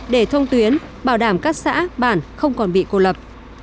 để thông tuyến bảo đảm các xã bản không còn bị cô lập